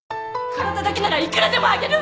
体だけならいくらでもあげる！